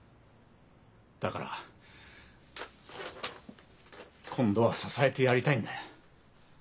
だから今度は支えてやりたいんだよ。